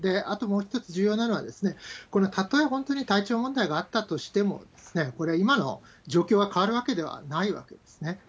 あともう一つ重要なのは、たとえ本当に体調問題があったとしてもですね、これ、今の状況は変わるわけではないわけですね。